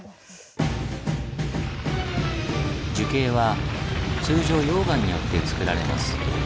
樹型は通常溶岩によってつくられます。